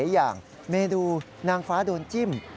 อีกอย่างเมนูนางฟ้าโดนจิ้ม